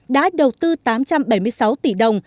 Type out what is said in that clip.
đã đầu tư tám trăm bảy mươi sáu tỷ đồng